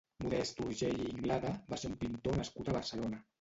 Modest Urgell i Inglada va ser un pintor nascut a Barcelona.